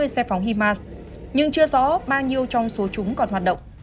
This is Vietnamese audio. bốn mươi xe phóng himars nhưng chưa rõ bao nhiêu trong số chúng còn hoạt động